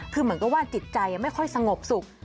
คือเหมือนกับว่าจิตใจไม่ค่อยสงบสุข